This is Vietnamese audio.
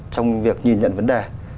trong việc nhìn nhận vấn đề